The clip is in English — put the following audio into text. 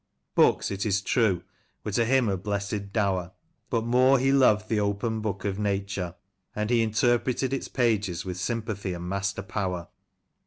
Books, it is true, were to him "a blessed dower," but more he loved the open book of Nature, and he interpreted its pages with sympathy and master power.